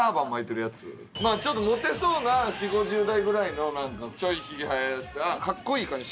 まあちょっとモテそうな４０５０代ぐらいのなんかちょいヒゲ生やした格好いい感じ。